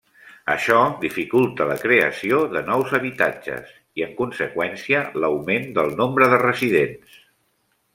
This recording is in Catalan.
Això dificulta la creació de nous habitatges i, en conseqüència, l'augment del nombre de residents.